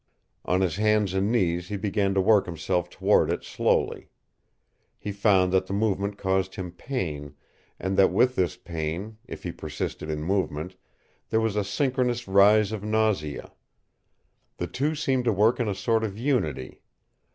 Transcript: On his hands and knees he began to work himself toward it slowly. He found that the movement caused him pain, and that with this pain, if he persisted in movement, there was a synchronous rise of nausea. The two seemed to work in a sort of unity.